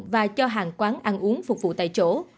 và cho hàng quán ăn uống phục vụ tại chỗ